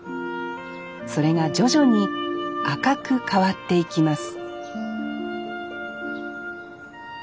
それが徐々に赤く変わっていきます